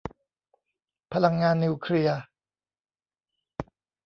พลังงานนิวเคลียร์